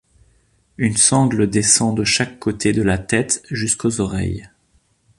Une sangle descend de chaque côté de la tête jusqu'aux oreilles.